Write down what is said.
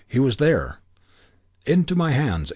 He was here! "Into my hands!